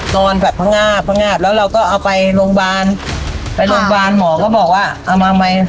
นอนแบบพระงาพระงาแล้วเราก็เอาไปโรงบาลไปโรงบาลหมอก็บอกว่าเอามาไว้